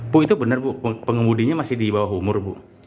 bu itu benar bu pengemudinya masih di bawah umur bu